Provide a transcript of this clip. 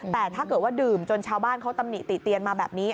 แต่ถ้าเกิดว่าดื่มจนชาวบ้านเขาตำหนิติเตียนมาแบบนี้